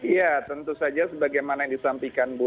ya tentu saja sebagaimana yang disampaikan bu